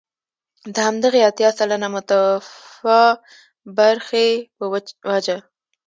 د همدغې اتيا سلنه متوفي برخې په وجه.